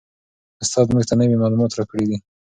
استاد موږ ته نوي معلومات راکړي دي.